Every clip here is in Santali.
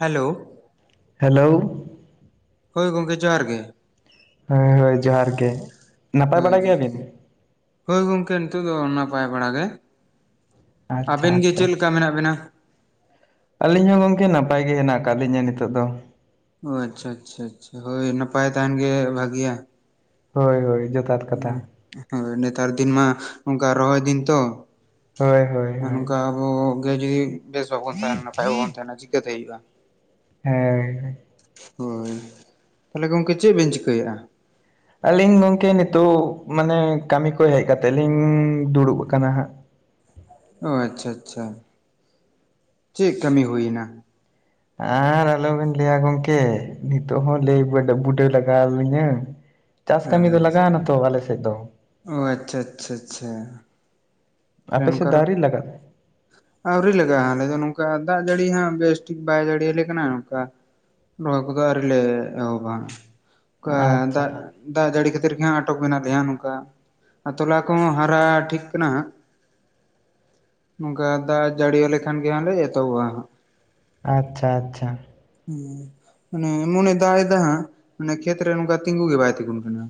ᱦᱮᱞᱳ᱾ ᱦᱮᱞᱳ᱾ ᱦᱳᱭ ᱜᱚᱢᱠᱮ ᱡᱚᱦᱟᱨ ᱜᱮ᱾ ᱦᱮᱸ ᱦᱳᱭ ᱡᱚᱦᱟᱨ ᱜᱮ᱾ᱱᱟᱯᱟᱭ ᱦᱳᱭ ᱵᱟᱲᱟ ᱜᱮᱭᱟ ᱵᱤᱱ? ᱦᱳᱭ ᱜᱚᱢᱠᱮ ᱱᱤᱛᱚᱜ ᱫᱚ ᱱᱟᱯᱟᱭ ᱵᱟᱲᱟ ᱜᱮ᱾ ᱟᱪᱪᱷᱟ ᱟᱵᱤᱱ ᱜᱮ ᱟᱪᱪᱷᱟ ᱪᱮᱫ ᱞᱮᱠᱟ ᱠᱟ ᱢᱮᱱᱟᱜ ᱵᱤᱱᱟ? ᱟᱹᱞᱤᱧ ᱦᱚᱸ ᱜᱚᱝᱠᱮ ᱱᱟᱯᱟᱭ ᱜᱮ ᱦᱮᱱᱟᱜ ᱟᱠᱟᱫ ᱞᱤᱧᱟ ᱱᱤᱛᱟᱹᱜ ᱫᱚ᱾ ᱚ ᱟᱪᱪᱷᱟ ᱟᱪᱪᱷᱟ ᱟᱪᱷᱟ ᱦᱳᱭ ᱱᱟᱯᱟᱭ ᱛᱟᱦᱮᱱ ᱜᱮ ᱵᱷᱟᱹᱜᱤᱭᱟ᱾ ᱦᱳᱭ ᱦᱳᱭ ᱡᱚᱛᱷᱟᱛ ᱦᱮ ᱠᱟᱛᱷᱟ ᱦᱳᱭ ᱱᱮᱛᱟᱨ ᱫᱤᱱ ᱢᱟ ᱚᱱᱠᱟ ᱨᱚᱦᱚᱭ ᱫᱤᱱ ᱛᱚ᱾ ᱦᱳᱭ ᱦᱳᱭ ᱦᱳᱭ ᱱᱚᱝᱠᱟ ᱟᱵᱚ ᱜᱮ ᱡᱩᱫᱤ ᱵᱮᱥ ᱵᱟᱵᱚᱱ ᱛᱟᱦᱮᱸᱱᱟ ᱱᱟᱯᱟᱭ ᱵᱟᱵᱚᱱ ᱛᱟᱦᱮᱸᱱᱟ ᱪᱤᱠᱟᱹ ᱛᱮ ᱦᱩᱭᱩᱜ-ᱟ᱾ ᱦᱮᱸ ᱦᱳᱭ ᱛᱟᱦᱚᱞᱮ ᱜᱚᱢᱠᱮ ᱪᱮᱫ ᱵᱮᱱ ᱪᱤᱠᱟᱭᱮᱜ-ᱟ? ᱟᱹᱞᱤᱧ ᱜᱝᱢᱠᱮ ᱱᱤᱛᱚᱜ ᱢᱟᱱᱮ ᱠᱟᱹᱢᱤ ᱠᱚ ᱦᱮᱡ ᱠᱟᱛᱮᱜ ᱞᱤᱧ ᱫᱩᱲᱩᱵ ᱠᱟᱱᱟ ᱦᱟᱸᱜ᱾ ᱚ ᱟᱪᱪᱷᱟᱻ ᱟᱪᱪᱷᱟᱻ, ᱪᱮᱜ ᱠᱟᱹᱢᱤ ᱦᱩᱭ ᱱᱟ? ᱟᱨ ᱟᱞᱚᱵᱮᱱ ᱞᱟᱹᱭᱟ ᱜᱚᱝᱠᱮ ᱱᱤᱛᱚᱜ ᱦᱚᱸ ᱞᱟᱹᱭ ᱵᱟᱰᱟ ᱵᱩᱰᱟᱹᱣ ᱞᱟᱜᱟᱣ ᱞᱤᱧᱟᱹ? ᱪᱟᱥ ᱠᱟᱹᱢᱤ ᱫᱚ ᱞᱟᱜᱟᱣ ᱱᱟ ᱛᱚ ᱟᱞᱮ ᱥᱮᱫ ᱫᱚ᱾ ᱚ ᱟᱪᱪᱷᱟᱻ ᱟᱪᱪᱷᱟᱻ ᱟᱪᱪᱷᱟᱻ᱾ ᱟᱯᱮ ᱨᱮᱱ ᱥᱮᱫ ᱫᱚ ᱠᱟᱨᱚᱜ ᱟᱹᱣᱨᱤ ᱞᱟᱜᱟᱜ ᱟᱹᱣᱨᱤ ᱞᱟᱜᱟᱜ-ᱟ ᱟᱞᱮ ᱫᱚ ᱱᱚᱝᱠᱟ ᱫᱟᱜ ᱡᱟᱹᱲᱤ ᱦᱟᱸᱜ ᱵᱮᱥ ᱴᱷᱤᱠ ᱵᱟᱭ ᱡᱟᱹᱲᱤ ᱭᱟᱞᱮ ᱠᱟᱱᱟ ᱱᱚᱝᱠᱟ᱾ ᱨᱚᱦᱚᱭ ᱠᱚᱫᱚ ᱟᱹᱣᱨᱤ ᱞᱮ ᱮᱦᱚᱵᱟ ᱱᱚᱝᱠᱟ ᱟᱪᱪᱷᱟ ᱫᱟᱜ ᱫᱟᱜ ᱡᱟᱹᱲᱤ ᱠᱷᱟᱹᱛᱤᱨ ᱜᱮ ᱦᱟᱸᱜ ᱟᱴᱚᱠ ᱢᱮᱱᱟᱜ ᱞᱮᱭᱟ, ᱱᱚᱝᱠᱟ ᱟᱨ ᱛᱚᱞᱟ ᱠᱚᱦᱚᱸ ᱦᱟᱨᱟ ᱴᱷᱤᱠ ᱠᱟᱱᱟ ᱦᱟᱸᱜ᱾ ᱱᱚᱝᱠᱟ ᱫᱟᱜ ᱡᱟᱹᱲᱤ ᱟᱞᱮ ᱠᱷᱟᱱ ᱜᱮ ᱦᱟᱸᱜ ᱞᱮ ᱮᱛᱚᱦᱚᱵ-ᱟ, ᱦᱟᱸᱜ᱾ ᱟᱪᱪᱷᱟᱻ ᱟᱪᱪᱷᱟᱻ᱾ ᱦᱮ ᱢᱟᱱᱮ ᱮᱢᱚᱱ ᱮ ᱫᱟᱜ ᱮᱫᱟ ᱦᱟᱸᱜ, ᱢᱟᱱᱮ ᱠᱷᱮᱛ ᱨᱮ ᱱᱚᱝᱠᱟ ᱛᱤᱸᱜᱩ ᱜᱮ ᱵᱟᱭ ᱛᱤᱸᱜᱩᱱ ᱠᱟᱱᱟ᱾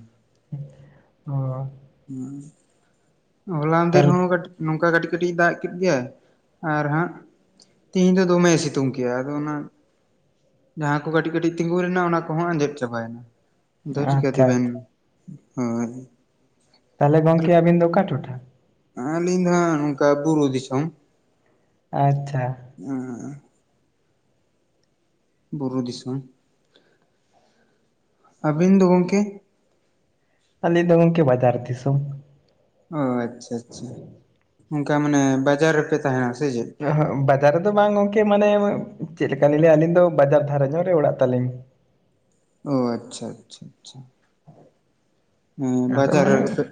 ᱦᱮᱸ ᱚ ᱦᱚᱸ ᱦᱚᱞᱟ ᱢᱟᱫᱷᱮᱨ ᱛᱟᱦᱚᱞᱮ ᱦᱚᱸ ᱱᱚᱝᱠᱟ ᱠᱟᱹᱴᱤᱡ ᱠᱟᱹᱴᱤᱡ ᱫᱟᱜ ᱠᱮᱫ ᱜᱮᱭᱟᱭ ᱟᱨ ᱦᱟᱸᱜ ᱛᱮᱦᱮᱧ ᱫᱚ ᱫᱚᱢᱮᱭ ᱥᱤᱛᱩᱝ ᱠᱮᱜ-ᱟ ᱟᱫᱚ ᱚᱱᱟ, ᱡᱟᱦᱟᱸ ᱠᱚ ᱠᱟᱹᱴᱤᱡ ᱠᱟᱹᱴᱤᱡ ᱛᱤᱸᱜᱩ ᱞᱮᱱᱟ ᱚᱱᱟ ᱠᱚᱦᱚᱸ ᱟᱸᱡᱮᱫ ᱪᱟᱵᱟᱭᱱᱟ᱾ ᱫᱚ ᱪᱤᱠᱟ ᱟᱪᱪᱷᱟ ᱛᱮᱵᱮᱱ ᱦᱳᱭ ᱛᱟᱦᱚᱞᱮ ᱜᱚᱢᱠᱮ ᱟᱵᱤᱱ ᱫᱚ ᱚᱠᱟ ᱴᱚᱴᱷᱟ? ᱟᱹᱞᱤᱧ ᱫᱚ ᱦᱟᱸᱜ ᱱᱚᱝᱠᱟ ᱵᱩᱨᱩ ᱫᱤᱥᱚᱢ᱾ ᱟᱪᱪᱷᱟᱻ᱾ ᱟᱸᱻ ᱟᱸᱻ᱾ ᱵᱩᱨᱩ ᱫᱤᱥᱚᱢ ᱟᱵᱤᱱ ᱫᱚ ᱜᱚᱝᱠᱮ? ᱟᱞᱤᱧ ᱫᱚ ᱜᱚᱢᱠᱮ ᱵᱟᱡᱟᱨ ᱫᱤᱥᱚᱢ᱾ ᱚ ᱟᱪᱪᱷᱟᱻ ᱟᱪᱪᱷᱟᱻ ᱚᱱᱠᱟ ᱢᱟᱱᱮ ᱵᱟᱡᱟᱨ ᱨᱮᱯᱮ ᱛᱟᱦᱮᱸᱱᱟ ᱥᱮ ᱪᱮᱫ? ᱮᱦᱮᱜ ᱵᱟᱡᱟᱨ ᱨᱮᱫᱚ ᱵᱟᱝ ᱜᱚᱝᱠᱮ ᱢᱟᱱᱮ ᱪᱮᱫ ᱞᱮᱠᱟ ᱞᱤᱧ ᱞᱟᱹᱭᱟ ᱟᱹᱞᱤᱧ ᱫᱚ ᱵᱟᱡᱟᱨ ᱫᱷᱟᱨᱟ ᱧᱚᱜ ᱨᱮ ᱚᱲᱟᱜ ᱛᱟᱹᱞᱤᱧ᱾ ᱚᱻ ᱟᱪᱪᱷᱟᱻ ᱟᱪᱪᱷᱟᱻ ᱟᱪᱪᱷᱟᱻ᱾ ᱦᱮᱸ ᱟᱫᱚ ᱵᱟᱡᱟᱨ ᱨᱮ ᱢᱟᱱᱮ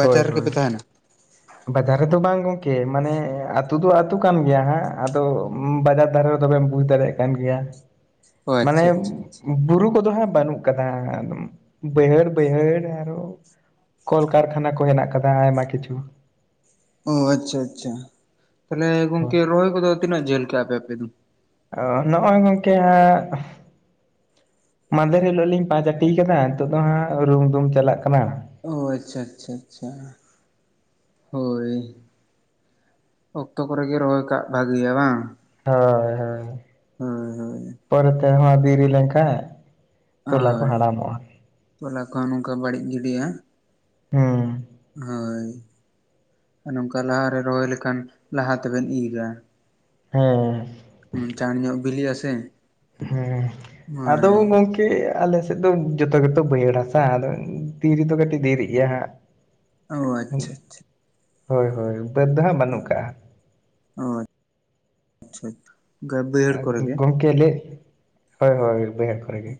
ᱦᱳᱭ ᱨᱮ ᱦᱳᱭ ᱜᱮᱯᱮ ᱛᱟᱦᱮᱸᱱᱟ? [inaudible] ᱵᱟᱡᱟᱨ ᱨᱮᱫᱚ ᱵᱟᱝ ᱜᱚᱝᱠᱮ ᱢᱟᱱᱮ, ᱟᱛᱳ ᱫᱚ ᱟᱹᱛᱩ ᱠᱟᱱ ᱜᱮᱭᱟ ᱦᱟᱸᱜ ᱟᱫᱚ ᱵᱟᱡᱟᱨ ᱫᱷᱟᱨᱮ᱾ ᱛᱚᱵᱮᱢ ᱵᱩᱡ ᱫᱟᱲᱮᱭᱟᱜ ᱠᱟᱱ ᱜᱮᱭᱟ᱾ ᱚ ᱢᱟᱱᱮ ᱟᱪᱪᱷᱟ ᱟᱪᱪᱷᱟ ᱵᱩᱨᱩ ᱠᱚᱫᱚ ᱦᱟᱸᱜ ᱵᱟᱹᱱᱩᱜ ᱠᱟᱫᱟ, ᱵᱟᱹᱭᱦᱟᱹᱲ ᱵᱟᱹᱭᱦᱟᱹᱲ᱾ ᱟᱨᱚ ᱠᱚᱞ ᱠᱟᱨᱠᱷᱟᱱᱟ ᱠᱚ ᱦᱮᱱᱟᱜ ᱠᱟᱫᱟ ᱟᱭᱢᱟ ᱠᱤᱪᱷᱩ᱾ ᱚ ᱟᱪᱪᱷᱟᱻ ᱟᱪᱪᱷᱟᱻ, ᱛᱟᱦᱚᱞᱮ ᱦᱳᱭ ᱜᱚᱝᱠᱮ ᱨᱚᱦᱚᱭ ᱠᱚᱫᱚ ᱛᱤᱱᱟᱹᱜ ᱡᱷᱟᱹᱞ ᱠᱮᱜᱼᱟᱯᱮ ᱟᱯᱮ ᱫᱚ? ᱚ ᱱᱚᱜᱼᱚᱭ ᱜᱚᱝᱠᱮ ᱦᱟᱸᱜ ᱢᱟᱫᱷᱮᱨ ᱦᱤᱞᱳᱜ ᱞᱤᱧ ᱯᱟᱸᱪ ᱟᱴᱤ ᱠᱟᱫᱟ ᱱᱤᱛᱚᱜ ᱫᱚ ᱦᱟᱸᱜ ᱨᱩᱢᱫᱩᱢ ᱪᱟᱞᱟᱜ ᱠᱟᱱᱟ᱾ ᱚᱻ ᱟᱪᱪᱷᱟᱻ ᱟᱪᱪᱷᱟᱻ ᱟᱪᱪᱷᱟᱻ ᱦᱳᱭᱻ᱾ ᱚᱠᱛᱚ ᱠᱚᱨᱮ ᱜᱮ ᱨᱚᱦᱚᱭ ᱠᱟᱜ ᱵᱷᱟᱜᱮᱭᱟ ᱵᱟᱝ? ᱦᱚᱭ ᱦᱚᱭ ᱦᱳᱭ ᱦᱳᱭ ᱯᱚᱨᱮ ᱛᱮ ᱦᱚᱸ ᱰᱮᱨᱤ ᱞᱮᱱᱠᱷᱟᱱ ᱦᱳᱭ ᱛᱚᱞᱟ ᱠᱚᱦᱚᱸ ᱱᱚᱝᱠᱟ ᱵᱟᱹᱲᱤᱡ ᱜᱤᱰᱤᱜᱼᱟ᱾ ᱦᱮᱸᱻ᱾ ᱦᱳᱭ ᱱᱚᱝᱠᱟ ᱞᱟᱦᱟᱨᱮ ᱨᱚᱦᱚᱭ ᱞᱮᱠᱷᱟᱱ ᱞᱟᱦᱟ ᱛᱮᱵᱮᱱ ᱤᱨᱟ᱾ ᱦᱮᱸ ᱪᱟᱸᱬ ᱧᱚᱜ ᱵᱤᱞᱤ ᱟᱥᱮ᱾ ᱦᱮᱸ ᱟᱫᱚ ᱦᱳᱭ ᱜᱚᱝᱠᱮ ᱜᱚᱝᱠᱮ ᱟᱞᱮᱥᱮᱫ ᱫᱚ ᱡᱚᱛᱚ ᱜᱮᱛᱚ ᱵᱟᱹᱭᱦᱟᱹᱲ ᱦᱟᱥᱟ ᱟᱫᱚ ᱫᱮᱤᱨᱤ ᱫᱚ ᱠᱟᱹᱴᱤᱡ ᱫᱮᱨᱤᱜ ᱜᱮᱭᱟ ᱦᱟᱸᱜ᱾ ᱚᱻ ᱟᱪᱪᱷᱟᱻ ᱟᱪᱪᱷᱟᱻ᱾ ᱦᱳᱭᱻ ᱦᱳᱭ ᱵᱟᱹᱫᱽ ᱫᱚᱦᱟᱸᱜ ᱵᱟᱹᱱᱩᱜ ᱠᱟᱜᱼᱟ᱾ ᱚᱻ ᱟᱪᱪᱷᱟᱻ ᱟᱪᱪᱷᱟᱻ᱾ ᱟᱨ ᱜᱚᱢᱠᱮ ᱞᱮ ᱦᱳᱭ ᱦᱳᱭ ᱵᱟᱹᱭᱦᱟᱹᱲ ᱠᱚᱨᱮ ᱜᱮ᱾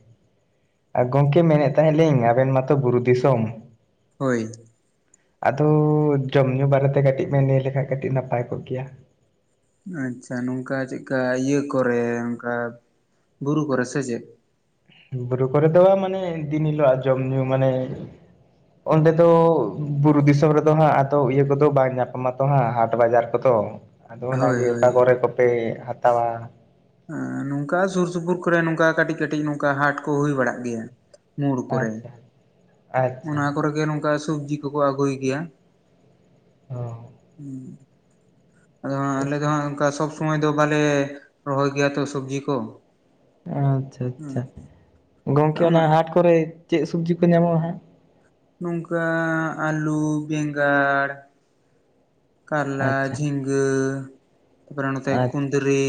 ᱟᱨ ᱜᱚᱝᱠᱮ ᱢᱮᱱᱮᱫ ᱛᱟᱦᱮᱸ ᱞᱤᱧ ᱟᱵᱮᱱ ᱢᱟᱛᱚ ᱵᱩᱨᱩ ᱫᱤᱥᱚᱢ ᱦᱳᱭ ᱟᱫᱚ ᱡᱚᱢ ᱧᱩ ᱵᱟᱨᱮᱛᱮ ᱠᱟᱹᱴᱤᱡ ᱮᱢ ᱞᱟᱹᱭ ᱞᱮᱠᱷᱟᱡ ᱠᱟᱹᱴᱤᱡ ᱱᱟᱯᱟᱭ ᱠᱚᱜ ᱠᱮᱭᱟ᱾ ᱟᱪᱪᱷᱟ ᱱᱚᱝᱠᱟ ᱪᱮᱫᱞᱠᱟ ᱤᱭᱟᱹ ᱠᱚᱨᱮ ᱱᱚᱝᱠᱟ ᱵᱩᱨᱩ ᱠᱚᱨᱮ ᱥᱮ ᱪᱮᱫ ᱵᱩᱨᱩ ᱠᱚᱨᱮ ᱫᱚ ᱢᱟᱱᱮ ᱫᱤᱱ ᱦᱤᱞᱚᱜᱼᱟ ᱡᱚᱢ ᱧᱩ ᱢᱟᱱᱮ ᱚᱸᱰᱮ ᱫᱚ ᱵᱩᱨᱩ ᱫᱤᱥᱚᱢ ᱨᱮᱫᱚ ᱦᱟᱸᱜ ᱟᱫᱚ ᱤᱭᱟᱹ ᱠᱚᱫᱚ ᱵᱟᱝ ᱧᱟᱯᱟᱢᱟᱛᱚ ᱦᱟᱸᱜ ᱦᱟᱴ ᱵᱟᱡᱟᱨ ᱠᱚ ᱛᱚ ᱟᱫᱚ ᱦᱳᱭ ᱚᱱᱟᱜᱮ ᱦᱳᱭ ᱚᱠᱟ ᱠᱚᱨᱮ ᱠᱚᱯᱮ ᱦᱟᱛᱟᱣᱟ᱾ ᱦᱚᱸ ᱱᱚᱝᱠᱟ ᱥᱩᱨ ᱥᱩᱯᱩᱨ ᱠᱚᱨᱮ ᱱᱚᱝᱠᱟ ᱠᱟᱹᱴᱤᱡ ᱠᱟᱹᱴᱤᱡ ᱱᱚᱝᱠᱟ ᱦᱟᱴ ᱠᱚ ᱦᱩᱭ ᱵᱟᱲᱟᱜ ᱜᱮᱭᱟ᱾ ᱢᱳᱲ ᱠᱚᱨᱮ, ᱟᱪᱪᱷᱟ ᱟᱪᱪᱷᱟ ᱚᱱᱟ ᱠᱚᱨᱮ ᱜᱮ ᱱᱚᱝᱠᱟ ᱥᱚᱵᱡᱤ ᱠᱚᱠᱚ ᱟᱹᱜᱩᱭ ᱜᱮᱭᱟ ᱾ ᱚ ᱟᱫᱚ ᱟᱞᱮ ᱫᱚ ᱦᱟᱸᱜ ᱚᱱᱠᱟ ᱥᱚᱵ ᱥᱚᱢᱚᱭ ᱫᱚ ᱵᱟᱞᱮ ᱨᱚᱦᱚᱭ ᱜᱮᱭᱟ ᱛᱚ ᱥᱚᱵᱽᱡᱤ ᱠᱚ᱾ ᱟᱪᱪᱷᱟ ᱟᱪᱪᱷᱟ, ᱦᱮᱸ ᱜᱚᱝᱠᱮ ᱚᱱᱟ ᱟᱢᱟᱜ ᱦᱟᱴ ᱠᱚᱨᱮ ᱪᱮᱫ ᱥᱚᱵᱡᱤ ᱠᱚ ᱧᱟᱢᱚᱜᱼᱟ ᱦᱟᱸᱜ ᱱᱚᱝᱠᱟ ᱟᱞᱩ ᱵᱮᱸᱜᱟᱲ ᱠᱟᱨᱞᱟ ᱟᱪᱪᱷᱟ ᱡᱷᱤᱸᱜᱟᱹ ᱜᱟᱹ ᱛᱟᱯᱚᱨᱮ ᱱᱚᱛᱮ ᱟᱪᱪᱷᱟ ᱠᱩᱸᱫᱽᱨᱤ᱾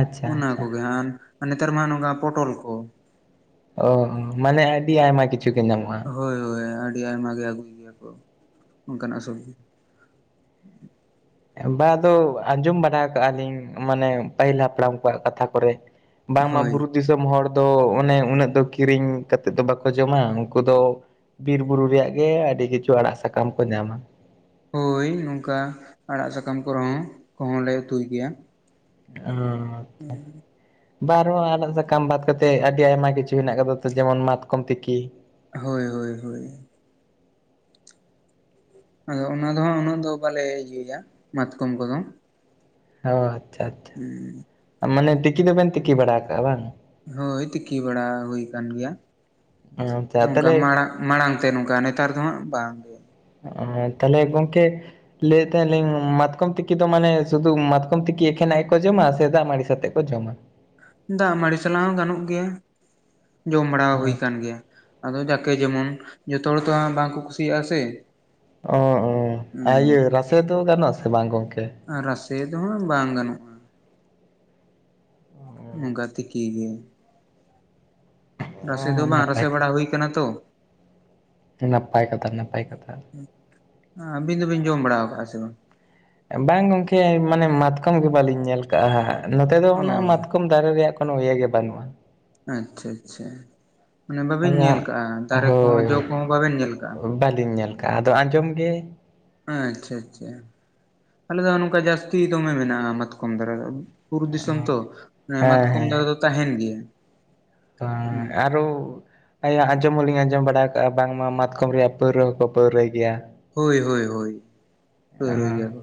ᱟᱪᱪᱷᱟ ᱚᱱᱟ ᱟᱪᱪᱷᱟ ᱠᱚᱜᱮ ᱟᱨ ᱟᱨ ᱱᱮᱛᱟᱨ ᱢᱟ ᱱᱚᱝᱠᱟ ᱯᱚᱴᱚᱞ ᱠᱚ᱾ ᱚ ᱢᱟᱱᱮ ᱟᱹᱰᱤ ᱟᱭᱢᱟ ᱠᱤᱪᱷᱩ ᱜᱮ ᱧᱟᱢᱚᱜᱼᱟ᱾ ᱦᱳᱭ ᱦᱳᱭ ᱟᱹᱰᱤ ᱟᱭᱢᱟ ᱜᱮ ᱟᱹᱜᱩᱭ ᱜᱮᱭᱟ ᱠᱚ, ᱚᱱᱠᱟᱱᱟᱜ ᱥᱚᱵᱡᱤ ᱵᱟ ᱟᱫᱚ ᱟᱸᱡᱚᱢ ᱵᱟᱲᱟ ᱠᱟᱜᱼᱟ ᱞᱤᱧ ᱢᱟᱱᱮ ᱯᱟᱹᱦᱤᱞ ᱦᱟᱯᱲᱟᱢ ᱠᱚᱣᱟᱜ ᱠᱟᱛᱷᱟ ᱠᱚᱨᱮ᱾ ᱵᱟᱝᱢᱟ ᱦᱳᱭ ᱵᱩᱨᱩ ᱫᱤᱥᱚᱢ ᱦᱚᱲ ᱫᱚ ᱚᱱᱮ ᱩᱱᱟᱹᱜ ᱫᱚ ᱠᱤᱨᱤᱧ ᱠᱟᱛᱮᱮᱫ ᱫᱚ ᱵᱟᱠᱚ ᱡᱚᱢᱟ ᱾ ᱩᱱᱠᱩ ᱫᱚ ᱵᱤᱨ ᱵᱩᱨᱩ ᱨᱮᱭᱟᱜ ᱜᱮ ᱟᱹᱰᱤ ᱠᱤᱪᱷᱩ ᱟᱲᱟᱜ ᱥᱟᱠᱟᱢ ᱠᱚ ᱧᱟᱢᱟ᱾ ᱦᱳᱭ ᱱᱚᱝᱠᱟ ᱟᱲᱟᱜ ᱥᱟᱠᱟᱢ ᱠᱚᱨᱮᱦᱚᱸ ᱠᱚᱦᱚᱸ ᱞᱮ ᱩᱛᱩᱭ ᱜᱮᱭᱟ᱾ ᱚ ᱦᱮᱸ ᱵᱟᱨ ᱨᱮᱦᱚ ᱟᱲᱟᱜ ᱥᱟᱠᱟᱢ ᱵᱟᱫ ᱠᱟᱛᱮᱮᱫ ᱟᱹᱰᱤ ᱟᱭᱢᱟ ᱠᱤᱪᱷᱩ ᱦᱮᱱᱟᱜ ᱟᱠᱟᱫᱟ ᱾ ᱡᱮᱢᱚᱱ ᱢᱟᱛᱠᱚᱢ ᱛᱤᱠᱤ ᱦᱳᱭ ᱦᱳᱭ ᱦᱳᱭ ᱟᱫᱚ ᱚᱱᱟ ᱫᱚᱦᱟᱸᱜ ᱩᱱᱟᱹᱜ ᱫᱚ ᱵᱟᱞᱮ ᱤᱭᱟᱹᱭᱟ ᱢᱟᱛᱠᱚᱢ ᱠᱚᱫᱚ ᱦᱚ ᱟᱪᱪᱷᱟ ᱟᱪᱪᱷᱟ ᱩᱸ ᱢᱟᱱᱮ ᱛᱤᱠᱤ ᱫᱚᱵᱮᱱ ᱛᱤᱠᱤ ᱵᱟᱲᱟᱜᱼᱟ ᱵᱟᱝ ᱦᱳᱭ ᱛᱤᱠᱤ ᱵᱟᱲᱟ ᱦᱩᱭ ᱟᱠᱟᱱ ᱜᱮᱭᱟ ᱟᱪᱪᱷᱟ ᱱᱚᱝᱠᱟ ᱛᱟᱦᱚᱞᱮ ᱢᱟᱲᱟᱜ ᱼᱼ ᱢᱟᱲᱟᱝ ᱛᱮ ᱱᱚᱝᱠᱟ ᱱᱮᱛᱟᱨ ᱫᱚ ᱦᱟᱸᱜ ᱵᱟᱝ ᱜᱮ ᱛᱟᱦᱚᱞᱮ ᱜᱚᱝᱠᱮ ᱞᱟᱹᱭᱮᱫ ᱛᱟᱦᱮᱱᱤᱧ ᱢᱟᱛᱠᱚᱢ ᱛᱤᱠᱤ ᱫᱚ ᱢᱟᱱᱮ ᱥᱩᱫᱩ ᱢᱟᱛᱠᱚᱢ ᱛᱤᱠᱤ ᱮᱠᱷᱮᱱᱟᱜ ᱜᱮᱠᱚ ᱡᱚᱢᱟ, ᱥᱮ ᱫᱟᱜ ᱢᱟᱹᱲᱤ ᱥᱟᱛᱮᱜ ᱠᱚ ᱡᱚᱢᱟ? ᱫᱟᱜ ᱢᱟᱹᱲᱤ ᱥᱟᱞᱟᱜ ᱦᱚᱸ ᱜᱟᱱᱚᱜ ᱜᱮᱭᱟ ᱡᱚᱢ ᱵᱟᱲᱟ ᱦᱩᱭ ᱟᱠᱟᱱ ᱜᱮᱭᱟ᱾ ᱟᱫᱚ ᱡᱟᱠᱮ ᱡᱮᱢᱚᱱ ᱡᱚᱛᱚ ᱦᱚᱲ ᱛᱚ ᱦᱟᱸᱜ ᱵᱟᱠᱚ ᱠᱩᱥᱤᱭᱟᱜᱼᱟ ᱥᱮ᱾ ᱚ ᱚ ᱟᱨ ᱤᱭᱟᱹ ᱨᱟᱥᱮ ᱫᱚ ᱜᱟᱱᱚᱜ ᱟᱥᱮ ᱵᱟᱝ ᱜᱚᱝᱠᱮ? ᱨᱟᱥᱮ ᱫᱚ ᱦᱟᱸᱜ ᱵᱟᱝ ᱜᱟᱱᱚᱜᱼᱟ᱾ ᱚᱱᱠᱟ ᱛᱤᱠᱤ ᱜᱮ᱾ ᱚ ᱨᱟᱥᱮ ᱫᱚ ᱵᱟᱝ ᱱᱟᱯᱟᱭ ᱨᱟᱥᱮ ᱵᱟᱲᱟ ᱦᱩᱭ ᱠᱟᱱᱟ ᱛᱚ᱾ ᱱᱟᱯᱟᱭ ᱠᱟᱛᱷᱟ ᱱᱟᱯᱟᱭ ᱠᱟᱛᱷᱟ ᱟᱹᱵᱤᱱ ᱫᱚᱵᱤᱱ ᱡᱚᱢ ᱵᱟᱲᱟ ᱟᱠᱟᱜᱼᱟ ᱥᱮ ᱵᱟᱝ? ᱵᱟᱝ ᱜᱚᱝᱠᱮ ᱢᱟᱱᱮ ᱢᱟᱛᱠᱚᱢ ᱜᱮ ᱵᱟᱹᱞᱤᱧ ᱧᱮᱞ ᱠᱟᱜᱼᱟ ᱦᱟᱜ, ᱱᱚᱛᱮ ᱫᱚ ᱚ ᱚᱱᱟ ᱢᱟᱛᱠᱚᱢ ᱫᱟᱨᱮ ᱨᱮᱭᱟᱜ ᱠᱚᱱᱚ ᱤᱭᱟᱹ ᱜᱮ ᱵᱟᱹᱱᱩᱜᱼᱟ ᱟᱪᱪᱷᱟ ᱟᱪᱪᱷᱟ ᱢᱟᱱᱮ ᱵᱟᱵᱮᱱ ᱟᱫᱚ ᱧᱮᱞ ᱠᱟᱜᱼᱟ ᱫᱟᱨᱮ ᱠᱚᱦᱚᱸ ᱡᱚ ᱠᱚᱦᱚᱸ ᱵᱟᱵᱮᱱ ᱧᱮᱞ ᱠᱟᱜᱼᱟ ᱵᱟᱟᱹᱞᱤᱧ ᱧᱮᱞ ᱼᱼ ᱠᱟ ᱟᱫᱚ ᱟᱸᱡᱚᱢ ᱜᱮ ᱟᱪᱪᱷᱟ ᱟᱪᱪᱷᱟ ᱟᱞᱮ ᱫᱚ ᱱᱚᱝᱠᱟ ᱡᱟᱹᱥᱛᱤ ᱫᱚᱢᱮ ᱢᱮᱱᱟᱜᱼᱟ ᱢᱟᱛᱠᱚᱢ ᱫᱷᱟᱨᱟ ᱫᱚ ᱵᱩᱨᱩ ᱫᱤᱥᱚᱢ ᱦᱮᱸ ᱛᱚ ᱢᱟᱛᱠᱚᱢ ᱫᱟᱨᱮ ᱫᱚ ᱛᱟᱦᱮᱱ ᱜᱮᱭᱟ᱾ ᱦᱟᱸᱻ ᱟᱨᱚ ᱟᱭᱟᱜ ᱟᱸᱡᱚᱢ ᱦᱚᱞᱤᱧ ᱟᱸᱡᱚᱢ ᱵᱟᱲᱟ ᱟᱠᱟᱜᱼᱟ ᱵᱟᱝᱢᱟ ᱢᱟᱛᱠᱚᱢ ᱨᱮᱭᱟᱜ ᱯᱟᱹᱣᱨᱟᱹ ᱦᱚᱠᱚ ᱯᱟᱹᱣᱨᱟᱹᱭ ᱜᱮᱭᱟ ᱦᱳᱭ ᱦᱳᱭ ᱦᱳᱭ ᱯᱟᱹᱣᱨᱟᱹᱭ ᱜᱮᱭᱟ ᱠᱚ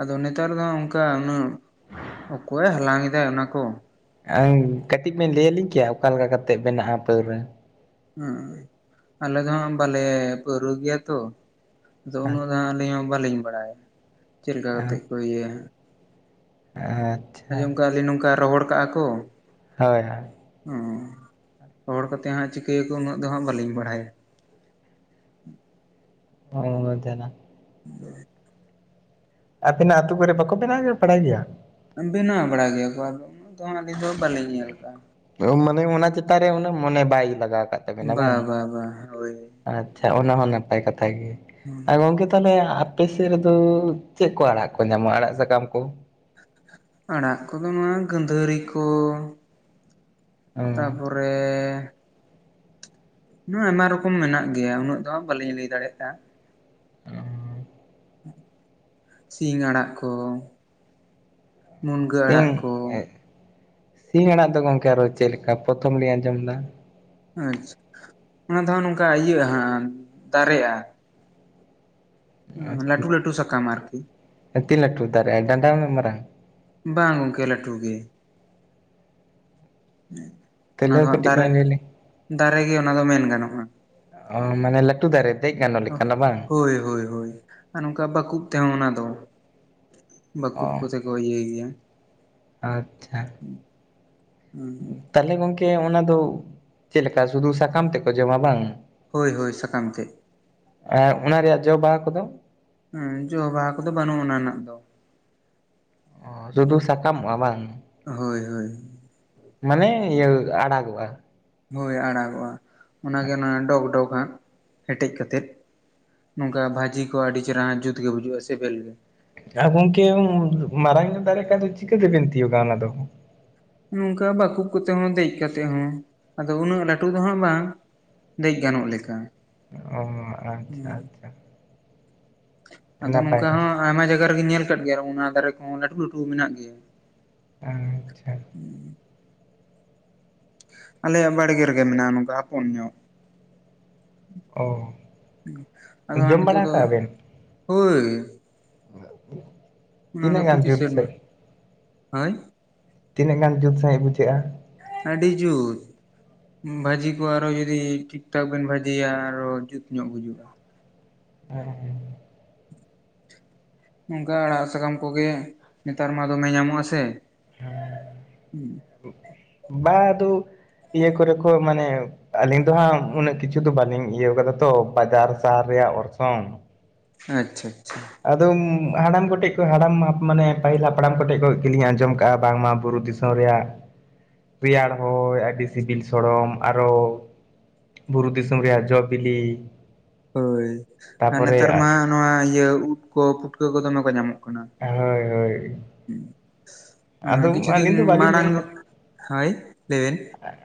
ᱟᱫᱚ ᱱᱮᱛᱟᱨ ᱫᱚ ᱚᱱᱠᱟ ᱩᱱᱟᱹᱜ ᱚᱠᱚᱭᱮ ᱦᱟᱞᱟᱝ ᱮᱫᱟ ᱚᱱᱟ ᱠᱚ ᱟᱝ ᱠᱟᱹᱴᱤᱡ ᱵᱮᱱ ᱞᱟᱹᱭᱟᱞᱤᱧ ᱠᱮᱭᱟ ᱚᱠᱟ ᱞᱮᱠᱟ ᱠᱟᱛᱮᱫ ᱵᱮᱱᱟᱜᱼᱟ ᱯᱟᱹᱣᱨᱟᱹ? ᱚᱸᱻ ᱟᱞᱮ ᱫᱚ ᱦᱟᱸᱜ ᱵᱟᱞᱮ ᱯᱟᱹᱣᱨᱟᱹ ᱜᱮᱭᱟ ᱛᱚ ᱟᱫᱚ ᱩᱱᱟᱹᱜ ᱫᱚ ᱦᱟᱸᱜ ᱟᱹᱞᱤᱧ ᱦᱚᱸ ᱵᱟᱹᱞᱤᱧ ᱵᱟᱲᱟᱭᱟ ᱪᱮᱫ ᱞᱮᱠᱟ ᱠᱟᱛᱮᱫ ᱠᱚ ᱤᱭᱟᱹᱭᱟ? [unintelligible] ᱟᱡᱚᱢ ᱠᱟᱜ ᱟᱹᱞᱤᱧ ᱱᱚᱝᱠᱟ ᱨᱚᱦᱚᱲ ᱠᱟᱜᱼᱟ ᱠᱚ ᱦᱳᱭ ᱦᱳᱭ ᱨᱚᱦᱚᱲ ᱠᱟᱛᱮ ᱦᱟᱸᱜ ᱪᱤᱠᱟᱹᱭᱟᱠᱚ ᱩᱱᱟᱹᱜ ᱫᱚ ᱦᱟᱸᱜ ᱵᱟᱹᱞᱤᱧ ᱵᱟᱲᱟᱭᱟ ᱚᱻ ᱡᱟᱞᱟ [unintelligible] ᱟᱵᱤᱱᱟᱜ ᱟᱹᱛᱩ ᱠᱚᱨᱮ ᱵᱟᱠᱚ ᱵᱮᱱᱟᱣ ᱵᱟᱲᱟᱭ ᱜᱮᱭᱟ? ᱵᱮᱱᱟᱣ ᱵᱟᱲᱟᱭ ᱜᱮᱭᱟ ᱠᱚ ᱟᱫᱚ ᱩᱱᱟᱹᱜ ᱫᱚ ᱦᱟᱸᱜ ᱟᱹᱞᱤᱧ ᱫᱚ ᱵᱟᱹᱞᱤᱧ ᱧᱮᱞ ᱟᱠᱟᱜᱼᱟ ᱢᱟᱱᱮ ᱚᱱᱟ ᱪᱮᱛᱟᱱ ᱨᱮ ᱩᱱᱟᱹᱜ ᱢᱚᱱᱮ ᱵᱟᱭ ᱞᱟᱜᱟᱣ ᱟᱠᱟᱫ ᱛᱟᱵᱮᱱᱟ ᱵᱟ ᱵᱟᱝ ᱵᱟ ᱵᱟ ᱦᱳᱭ ᱟᱪᱪᱷᱟ ᱚᱱᱟ ᱦᱚᱸ ᱱᱟᱯᱟᱭ ᱠᱟᱛᱷᱟ ᱜᱮ ᱟᱨ ᱜᱚᱝᱠᱮ ᱛᱟᱦᱚᱞᱮ ᱟᱼᱼ ᱟᱯᱮ ᱥᱮᱫ ᱨᱮᱫᱚ ᱪᱮᱫ ᱠᱚ ᱟᱲᱟᱜ ᱠᱚ ᱧᱟᱢᱚᱜᱼᱟ ᱟᱲᱟᱜ ᱥᱟᱠᱟᱢ ᱠᱚ? ᱟᱲᱟᱜ ᱠᱚᱫᱚ ᱱᱚᱣᱟ ᱜᱟᱹᱫᱷᱟᱹᱨᱤ ᱠᱚ ᱛᱟᱯ ᱼᱼ ᱦᱮᱸ ᱯᱚᱨᱮᱻ ᱟᱭᱢᱟ ᱨᱚᱠᱚᱢ ᱢᱮᱱᱟᱜ ᱜᱮᱭᱟ ᱩᱱᱟᱹᱜ ᱫᱚ ᱦᱟᱜ ᱵᱟᱹᱞᱤᱧ ᱞᱟᱹᱭ ᱫᱟᱲᱮᱭᱟᱜᱼᱟ ᱥᱤᱧ ᱟᱲᱟᱜ ᱠᱚ ᱢᱩᱱᱜᱟᱹ ᱟᱲᱟᱜ ᱥᱤᱧ ᱠᱚ ᱥᱤᱧ ᱟᱲᱟᱜ ᱫᱚ ᱜᱚᱝᱠᱮ ᱟᱨᱚ ᱪᱮᱫ ᱞᱮᱠᱟ? ᱯᱨᱚᱛᱷᱚᱢ ᱞᱤᱧ ᱟᱸᱡᱚᱢ ᱮᱫᱟ ᱟᱪᱪᱷᱟ ᱚᱱᱟ ᱫᱚ ᱦᱟᱸᱜ ᱱᱚᱝᱠᱟ ᱤᱭᱟᱹᱜᱼᱟ ᱦᱟᱸᱜ ᱫᱟᱨᱮᱜᱼᱟ ᱞᱟᱹᱴᱩ ᱞᱟᱹᱴᱩ ᱥᱟᱠᱟᱢ ᱟᱨᱠᱤ ᱛᱤᱱ ᱞᱟᱹᱴᱩ ᱫᱟᱨᱮᱜᱼᱟ ᱰᱟᱸᱰᱟ ᱩᱱᱟᱹᱜ ᱢᱟᱨᱟᱝ ᱵᱟᱝ ᱜᱚᱝᱠᱮ ᱞᱟᱹᱴᱩ ᱜᱮ ᱚᱱᱟ ᱫᱚ ᱛᱟᱦᱚᱞᱮ ᱦᱟᱸᱜ ᱠᱟᱹᱴᱤᱡ ᱫᱟᱨᱮ ᱵᱟᱹᱧ ᱞᱟᱹᱭ ᱞᱮ ᱫᱟᱨᱮ ᱜᱮ ᱚᱱᱟ ᱫᱚ ᱢᱮᱱ ᱜᱟᱱᱚᱜᱼᱟ ᱚᱻ ᱢᱟᱱᱮ ᱞᱟᱹᱴᱩ ᱫᱟᱨᱮ ᱫᱮᱡ ᱜᱟᱱᱚᱜ ᱞᱮᱠᱟᱱᱟᱜ ᱵᱟᱝ? ᱦᱳᱭ ᱦᱳᱭ ᱦᱳᱭ᱾ ᱟᱨ ᱱᱚᱝᱠᱟ ᱵᱟᱠᱩᱵ ᱛᱮᱦᱚᱸ ᱚᱱᱟ ᱫᱚ ᱚ ᱵᱟᱠᱩᱵ ᱠᱚᱛᱮ ᱠᱚ ᱤᱭᱟᱹᱭ ᱜᱮᱭᱟ ᱟᱪᱪᱷᱟ ᱛᱟᱦᱚᱞᱮ ᱜᱚᱝᱠᱮ ᱚᱱᱟ ᱫᱚ ᱪᱮᱫ ᱞᱮᱠᱟ ᱥᱩᱫᱷᱩ ᱥᱟᱠᱟᱢ ᱛᱮᱫ ᱠᱚ ᱡᱚᱢᱟ ᱵᱟᱝ? ᱦᱳᱭ ᱦᱳᱭ ᱥᱟᱠᱟᱢ ᱛᱮᱫ ᱟᱨ ᱚᱱᱟ ᱨᱮᱭᱟᱜ ᱡᱚ ᱵᱟᱦᱟ ᱠᱚᱫᱚ? ᱦᱮᱸ ᱡᱚ ᱵᱟᱦᱟ ᱠᱚᱫᱚ ᱵᱟᱹᱱᱩᱜ ᱚᱱᱟ ᱨᱮᱱᱟᱜ ᱫᱚ ᱚ ᱥᱩᱫᱷᱩ ᱥᱟᱠᱟᱢᱚᱜᱼᱟ ᱵᱟᱝ? ᱦᱳᱭ ᱦᱳᱭ ᱢᱟᱱᱮ ᱤᱭᱟᱹ ᱟᱲᱟᱜᱚᱜᱼᱟ ᱦᱩᱭᱳᱭ ᱟᱲᱟᱜᱚᱜᱼᱟ ᱚᱱᱟᱜᱮ ᱚᱱᱟ ᱰᱚᱜᱽ ᱰᱚᱜᱽ ᱦᱟᱸᱜ ᱦᱮᱴᱮᱡ ᱠᱟᱛᱮᱫ ᱱᱚᱝᱠᱟ ᱵᱷᱟᱹᱡᱤ ᱠᱚ ᱟᱹᱰᱤ ᱪᱮᱦᱨᱟ ᱡᱩᱛ ᱜᱮ ᱵᱩᱡᱩᱜᱼᱟ ᱥᱮᱵᱮᱞ ᱜᱮ ᱟᱨ ᱜᱚᱝᱠᱮ ᱢᱟᱨᱟᱝ ᱧᱚᱜ ᱫᱟᱨᱮ ᱠᱷᱟᱡ ᱫᱚ ᱪᱤᱠᱟ. ᱛᱮᱵᱤᱱ ᱛᱤᱭᱩᱜᱟ ᱚᱱᱟᱫᱚ? ᱱᱚᱝᱠᱟ ᱵᱟᱠᱩᱵ ᱠᱚᱛᱮ ᱦᱚᱸ ᱫᱮᱡ ᱠᱟᱛᱮᱜ ᱦᱚᱸ ᱟᱫᱚ ᱩᱱᱟᱹᱜ ᱞᱟᱹᱴᱩ ᱫᱚ ᱦᱟᱸᱜ ᱵᱟᱝ ᱫᱮᱡ ᱜᱟᱱᱚᱜ ᱞᱮᱠᱟ ᱚ ᱟᱪᱪᱷᱟ ᱦᱮᱸ ᱟᱪᱪᱷᱟ ᱟᱫᱚ ᱱᱟᱯᱟᱭ ᱱᱚᱝᱠᱟ ᱦᱚᱸ ᱠᱟᱛᱷᱟ ᱟᱭᱢᱟ ᱡᱟᱭᱜᱟ ᱨᱮᱜᱮᱧ ᱧᱮᱞ ᱠᱟᱜ ᱜᱮᱭᱟ ᱚᱱᱟ ᱫᱟᱨᱮ ᱠᱚᱦᱚᱸ ᱞᱟᱹᱴᱩ ᱞᱟᱹᱴᱩ ᱢᱮᱱᱟᱜ ᱜᱮᱭᱟ ᱟᱪᱪᱷᱟ ᱟᱞᱮᱭᱟᱜ ᱵᱟᱲᱜᱮ ᱨᱮᱜᱮ ᱢᱮᱱᱟᱜᱼᱟ ᱱᱚᱝᱠᱟ ᱦᱚᱯᱚᱱ ᱧᱚᱜ ᱚ ᱟᱫᱚ ᱦᱟᱜ ᱡᱚᱢ ᱱᱤᱛᱚᱜ ᱵᱟᱲᱟ ᱫᱚ ᱠᱟᱜᱼᱟ ᱵᱮᱱ ᱦᱳᱭ ᱚᱱᱟ ᱛᱤᱱᱟᱹᱜ ᱫᱚ ᱜᱟᱱ ᱯᱨᱚᱛᱤ ᱡᱩᱛ ᱥᱮ ᱥᱮᱨᱢᱟ ᱦᱳᱭ ᱛᱤᱱᱟᱹᱜ ᱜᱟᱱ ᱡᱩᱛ ᱥᱟᱺᱦᱤᱡ ᱵᱩᱡᱷᱟᱹᱜᱼᱟ ᱟᱹᱰᱤ ᱡᱩᱛ ᱵᱷᱟᱹᱡᱤ ᱠᱚ ᱟᱨᱦᱚᱸ ᱡᱩᱫᱤ ᱴᱷᱤᱠ ᱴᱷᱟᱠ ᱵᱮᱱ ᱵᱷᱟᱹᱡᱤᱭᱟ ᱟᱨᱚ ᱡᱩᱛ ᱧᱚᱜ ᱵᱩᱡᱩᱜᱼᱟ ᱦᱮᱸ ᱱᱚᱝᱠᱟ ᱟᱲᱟᱜ ᱥᱟᱠᱟᱢ ᱠᱚᱜᱮ ᱱᱮᱛᱟᱨ ᱢᱟ ᱫᱚᱢᱮ ᱧᱟᱢᱚᱜ -ᱟ ᱥᱮ ᱵᱟ ᱟᱫᱚ ᱤᱭᱟᱹ ᱠᱚᱨᱮ ᱠᱚ ᱢᱟᱱᱮ ᱟᱹᱞᱤᱧ ᱫᱚ ᱦᱟᱸᱜ ᱩᱱᱟᱹᱜ ᱠᱤᱪᱷᱩ ᱫᱚ ᱵᱟᱹᱞᱤᱧ ᱤᱭᱟᱹᱣ ᱠᱟᱫᱟ ᱛᱚ ᱵᱟᱡᱟᱨ ᱥᱟᱦᱟᱨ ᱨᱮᱭᱟᱜ ᱚᱨᱥᱚᱝ ᱟᱪᱪᱷᱟ ᱟᱪᱪᱷᱟ ᱟᱫᱚ ᱦᱟᱲᱟᱢ ᱠᱚᱴᱷᱮᱱ ᱦᱟᱲᱟᱢ ᱢᱟᱱᱮ ᱯᱟᱹᱦᱤᱞ ᱦᱟᱯᱲᱟᱢ ᱠᱚᱴᱮᱡ ᱠᱷᱚᱱ ᱜᱮᱞᱤᱧ ᱟᱸᱡᱚᱢ ᱠᱟᱜᱼᱟ ᱵᱟᱝᱢᱟ ᱵᱩᱨᱩ ᱫᱤᱥᱚᱢ ᱨᱮᱭᱟᱜ ᱨᱮᱭᱟᱲ ᱦᱚᱭ ᱟᱹᱰᱤ ᱥᱤᱵᱤᱞ ᱥᱚᱲᱚᱢ ᱟᱨᱦᱚᱸ ᱵᱩᱨᱩ ᱫᱤᱥᱚᱢ ᱨᱮᱭᱟᱜ ᱡᱚ ᱵᱤᱞᱤ ᱦᱳᱭ ᱟᱨ ᱛᱟᱯᱚᱨᱮ ᱱᱮᱛᱟᱨ ᱢᱟ ᱱᱚᱣᱟ ᱤᱭᱟᱹ ᱩᱫ ᱠᱚ ᱯᱩᱴᱠᱟᱹ ᱠᱚ ᱫᱚᱢᱮ ᱠᱚ ᱧᱟᱢᱚᱜ ᱠᱟᱱᱟ ᱦᱳᱭ ᱦᱳᱭ ᱟᱫᱚ ᱠᱤᱪᱷᱩ ᱫᱤᱱ ᱟᱹᱞᱤᱧ ᱫᱚ ᱵᱟᱹᱞᱤᱧ ᱢᱟᱲᱟᱝ ᱧᱮᱞ ᱦᱳᱭ ᱞᱟᱹᱭ ᱵᱮᱱ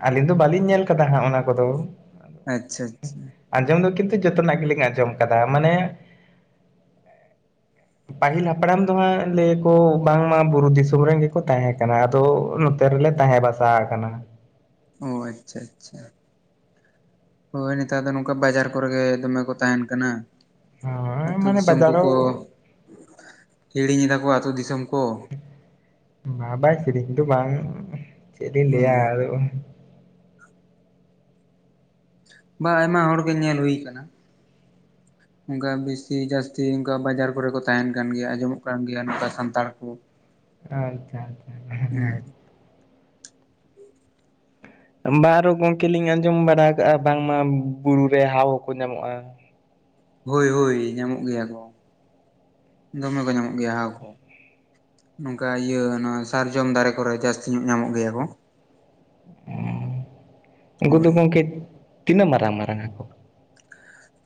ᱟᱹᱞᱤᱧ ᱫᱚ ᱵᱟᱹᱞᱤᱧ ᱧᱮᱞ ᱟᱠᱟᱫᱟ ᱦᱟᱸᱜ ᱚᱱᱟ ᱠᱚᱫᱚ ᱟᱪᱪᱷᱟ ᱟᱪᱪᱷᱟ ᱟᱸᱡᱚᱢ ᱫᱚ ᱠᱤᱱᱛᱩ ᱡᱚᱛᱚᱱᱟᱜ ᱜᱮᱞᱤᱧ ᱟᱸᱡᱚᱢ ᱠᱟᱫᱟ ᱢᱟᱱᱮ ᱯᱟᱹᱦᱤᱞ ᱦᱟᱯᱲᱟᱢ ᱫᱚ ᱦᱟᱸᱜ ᱞᱟᱹᱭᱟ ᱟᱠᱚ ᱵᱟᱝᱢᱟ ᱵᱩᱨᱩ ᱫᱤᱥᱚᱢ ᱨᱮᱱ ᱜᱮᱠᱚ ᱛᱟᱦᱮᱸ ᱠᱟᱱᱟ ᱟᱫᱚ ᱥᱮ ᱨᱮᱞᱮ ᱛᱟᱦᱮᱸ ᱵᱟᱥᱟ ᱟᱠᱟᱱᱟ ᱚ ᱟᱪᱪᱷᱟ ᱟᱪᱪᱷᱟ ᱦᱳᱭ ᱱᱮᱛᱟᱨ ᱫᱚ ᱱᱚᱝᱠᱟ ᱵᱟᱡᱟᱨ ᱠᱚᱨᱮ ᱜᱮ ᱫᱚᱢᱮ ᱠᱚ ᱛᱟᱦᱮᱱ ᱠᱟᱱᱟ ᱦᱳᱭ ᱟᱹᱛᱳ ᱢᱟᱱᱮ ᱫᱤᱥᱚᱢ ᱵᱟᱡᱟᱨᱳ ᱠᱚᱠᱚ ᱦᱤᱲᱤᱧᱮᱫᱟ ᱠᱚ ᱟᱹᱛᱳ ᱫᱤᱥᱚᱢ ᱠᱚ ᱵᱟᱵᱟᱭ ᱥᱮᱨᱤᱧ ᱠᱤᱱᱛᱩ ᱵᱟᱝ ᱪᱮᱫ ᱤᱧ ᱞᱟᱹᱭᱟ ᱟ ᱵᱟ ᱟᱭᱢᱟ ᱦᱚᱲ ᱜᱮ ᱧᱮᱞ ᱦᱩᱭ ᱟᱠᱟᱱᱟ [inaudible] ᱚᱱᱠᱟ ᱵᱮᱥᱤ ᱡᱟᱹᱥᱛᱤ ᱚᱱᱠᱟ ᱵᱟᱡᱟᱨ ᱠᱚᱨᱮ ᱠᱚ ᱛᱟᱦᱮᱱ ᱠᱟᱱ ᱜᱮᱭᱟ ᱟᱸᱡᱚᱢᱚᱜ ᱠᱟᱱ ᱜᱮᱭᱟ ᱱᱚᱝᱠᱟ ᱥᱟᱱᱛᱟᱲ ᱠᱚ ᱟᱪᱪᱷᱟ ᱟᱪᱪᱷᱟ ᱵᱟᱨᱦᱚ ᱜᱚᱝᱠᱮ ᱞᱤᱧ ᱟᱸᱡᱚᱢ ᱵᱟᱲᱟ ᱠᱟᱜᱼᱟ ᱵᱟᱝᱢᱟ ᱵᱩᱨᱩ ᱨᱮ ᱦᱟᱣ ᱦᱚᱸᱠᱚ ᱧᱟᱢᱚᱜᱼᱟ ᱦᱳᱭ ᱦᱳᱭ ᱧᱟᱢᱚᱜ ᱜᱮᱭᱟ ᱠᱚ ᱫᱚᱢᱮ ᱠᱚ ᱧᱟᱢᱚᱜ ᱜᱮᱭᱟ ᱦᱟᱣ ᱠᱚ ᱱᱚᱝᱠᱟ ᱤᱭᱟᱹ ᱚᱱᱟ ᱥᱟᱨᱡᱚᱢ ᱫᱟᱨᱮ ᱠᱚᱨᱮ ᱡᱟᱹᱥᱛᱤ ᱧᱚᱜ ᱧᱟᱢᱚᱜ ᱜᱮᱭᱟ ᱠᱚ ᱩᱝᱠᱩ ᱫᱚ ᱦᱳᱭ ᱜᱚᱝᱠᱮ ᱛᱤᱱᱟᱹᱜ ᱢᱟᱨᱟᱝ ᱢᱟᱨᱟᱝᱼᱟᱠᱚ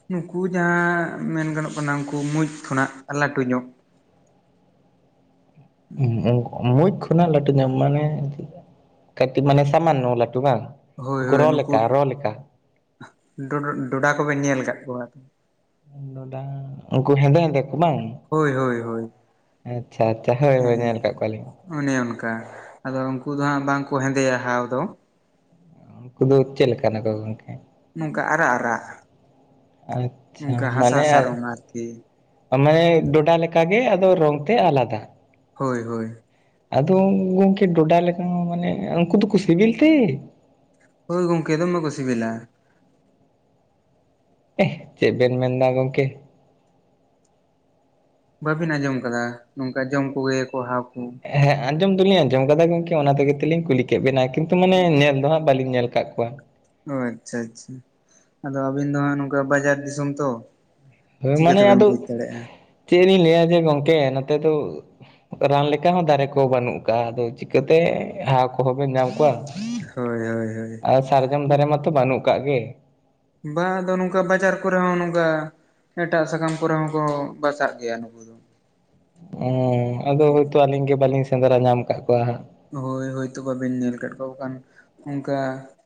ᱱᱩᱠᱩ ᱡᱟᱦᱟᱸ ᱢᱮᱱ ᱜᱟᱱᱚᱜ ᱠᱟᱱᱟ ᱩᱱᱠᱩ ᱢᱩᱡ ᱠᱷᱚᱱᱟᱜ ᱞᱟᱹᱴᱩ ᱧᱚᱜ ᱴᱩᱠ ᱢᱩᱡ ᱠᱷᱚᱱᱟᱜ ᱞᱟᱹᱴᱩ ᱧᱚᱜ ᱢᱟᱱᱮ ᱠᱟᱹᱛᱤᱡ ᱢᱟᱱᱮ ᱥᱟᱢᱟᱱᱱᱚ ᱞᱟᱹᱴᱩ ᱵᱟᱝ ᱦᱳᱭ ᱦᱳᱭ ᱠᱚᱨᱚ ᱱᱩᱠᱩ ᱞᱮᱠᱟ ᱨᱚ ᱞᱮᱠᱟ ᱰᱚᱰᱚ ᱰᱚᱰᱟ ᱠᱚᱵᱮᱱ ᱧᱮᱞ ᱠᱟᱹᱜ ᱠᱚᱣᱟ ᱩᱝᱠᱩ ᱦᱮᱸᱫᱮ ᱦᱮᱸᱫᱮ ᱠᱚ ᱵᱟᱝ ᱦᱳᱭ ᱦᱳᱭ ᱦᱳᱭ ᱟᱪᱪᱷᱟ ᱟᱪᱪᱷᱟ ᱦᱳᱭ ᱦᱳᱭ ᱦᱮᱸ ᱧᱮᱞ ᱠᱟᱜ ᱠᱚᱣᱟᱞᱤᱧ ᱚᱱᱮ ᱚᱱᱠᱟ ᱟᱫᱚ ᱩᱱᱠᱩ ᱫᱚ ᱦᱟᱸᱜ ᱵᱟᱝᱠᱚ ᱦᱮᱸᱫᱮᱭᱟ ᱦᱟᱣ ᱫᱚ ᱩᱱᱠᱩ ᱫᱚ ᱪᱮᱫ ᱞᱮᱠᱟᱱᱟ ᱠᱚ ᱜᱚᱝᱠᱮ ᱱᱚᱝᱠᱟ ᱟᱨᱟᱜ ᱟᱨᱟᱜ ᱟᱪᱪᱷᱟ ᱱᱚᱝᱠᱟ ᱦᱟᱥᱟ ᱢᱟᱱᱮ ᱦᱟᱥᱟ ᱨᱚᱝ ᱟᱨᱠᱤ ᱢᱟᱱᱮ ᱰᱷᱚᱰᱟ ᱞᱮᱠᱟᱜᱮ ᱟᱫᱚ ᱨᱚᱝ ᱛᱮᱜ ᱟᱞᱟᱫᱟ ᱦᱳᱭ ᱦᱳᱭ ᱟᱫᱚ ᱜᱚᱝᱠᱮ ᱰᱚᱰᱟ ᱞᱮᱠᱟ ᱢᱟᱱᱮ ᱩᱝᱠᱩ ᱫᱩᱠᱩ ᱥᱤᱵᱤᱞ ᱛᱮ ᱦᱳᱭ ᱜᱚᱝᱠᱮ ᱫᱚᱢᱮ ᱠᱚ ᱥᱮᱵᱮᱞᱟ ᱪᱮᱜ ᱵᱮᱱ ᱢᱮᱱᱫᱟ ᱜᱚᱝᱠᱮ ᱵᱟᱹᱵᱤᱱ ᱟᱸᱡᱚᱢ ᱠᱟᱫᱟ ᱱᱚᱝᱠᱟ ᱡᱚᱢ ᱠᱚᱜᱮᱭᱟᱠᱚ ᱦᱟᱣ ᱠᱩ ᱦᱮᱸ ᱟᱸᱡᱚᱢ ᱫᱩᱞᱤᱧ ᱟᱸᱡᱚᱢ ᱠᱟᱫᱟ ᱜᱚᱝᱠᱮ ᱚᱱᱟ ᱛᱮᱜᱮ ᱛᱩᱞᱤᱧ ᱠᱩᱞᱤ ᱠᱮᱫᱴᱜ ᱵᱮᱱᱟ ᱠᱤᱱᱛᱩ ᱢᱟᱱᱮ ᱧᱮᱞ ᱫᱚ ᱦᱟᱸᱜ ᱵᱟᱹᱞᱤᱧ ᱧᱮᱞ ᱠᱟᱜ ᱠᱚᱣᱟ ᱦᱳᱭ ᱟᱪᱪᱷᱟ ᱟᱪᱪᱷᱟ ᱟᱫᱚ ᱟᱹᱵᱤᱱ ᱫᱚ ᱦᱟᱸᱜ ᱱᱚᱝᱠᱟ ᱵᱟᱡᱟᱨ ᱫᱤᱥᱚᱢ ᱛᱚ ᱛᱚᱵᱮ ᱢᱟᱱᱮ ᱪᱤᱠᱟᱹᱛᱮᱵᱮᱱ ᱟᱫᱚ ᱵᱩᱡᱽ ᱫᱟᱲᱮᱭᱟᱜᱼᱟ ᱪᱮᱜᱞᱤᱧ ᱞᱟᱹᱭᱟ ᱡᱮ ᱜᱚᱝᱠᱮ ᱱᱚᱛᱮ ᱫᱚ ᱨᱟᱱ ᱞᱮᱠᱟ ᱦᱚᱸ ᱫᱟᱨᱮ ᱠᱚ ᱵᱟᱹᱱᱩᱜ ᱠᱟᱜᱼᱟ ᱟᱫᱚ ᱪᱤᱠᱟᱹᱛᱮ ᱦᱟᱣ ᱠᱚᱦᱚᱸᱵᱮᱱ ᱧᱟᱢ ᱠᱚᱣᱟ ᱦᱳᱭ ᱦᱳᱭ ᱦᱳᱭ ᱟᱨ ᱥᱟᱨᱡᱚᱢ ᱫᱟᱨᱮ ᱢᱟᱛᱚ ᱵᱟᱹᱱᱩᱜ ᱠᱟᱜ ᱜᱮ ᱵᱟ ᱟᱫᱚ ᱱᱚᱝᱠᱟ ᱵᱟᱡᱟᱨ ᱠᱚᱨᱮ ᱦᱚᱸ ᱱᱚᱝᱠᱟ ᱮᱴᱟᱜ ᱥᱟᱠᱟᱢ ᱠᱚᱨᱮ ᱦᱚᱸᱠᱚ ᱵᱟᱥᱟᱜ ᱜᱮᱭᱟ ᱱᱩᱠᱩ ᱫᱚ ᱚᱸ ᱟᱫᱚ ᱦᱳᱭᱛᱳ ᱟᱹᱞᱤᱧ ᱜᱮ ᱵᱟᱹᱞᱤᱧ ᱥᱮᱸᱫᱽᱨᱟ ᱧᱟᱢ ᱠᱟᱜ ᱠᱚᱣᱟ ᱦᱟᱸᱜ ᱦᱳᱭ ᱦᱳᱭᱛᱳ ᱵᱟᱵᱮᱱ ᱧᱮᱞ ᱠᱟᱜ ᱠᱚᱣᱟ ᱵᱟᱠᱷᱟᱱ ᱚᱝᱠᱟ